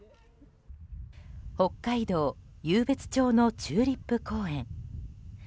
北海道湧別町のチューリップ公園。